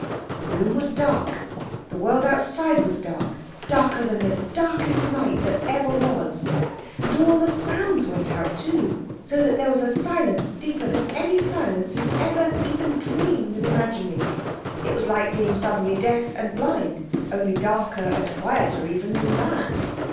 The room was dark. The world outside was dark—darker than the darkest night that ever was. And all the sounds went out too, so that there was a silence deeper than any silence you have ever even dreamed of imagining. It was like being suddenly deaf and blind, only darker and quieter even than that.